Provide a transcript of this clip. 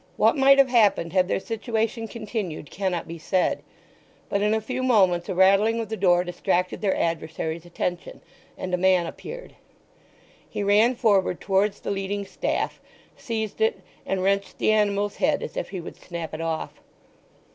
What might have happened had their situation continued cannot be said; but in a few moments a rattling of the door distracted their adversary's attention, and a man appeared. He ran forward towards the leading staff, seized it, and wrenched the animal's head as if he would snap it off.